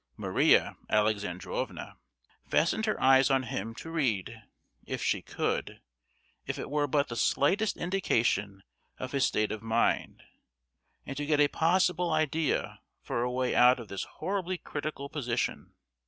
Maria Alexandrovna fastened her eyes on him, to read—if she could—if it were but the slightest indication of his state of mind, and to get a possible idea for a way out of this horribly critical position.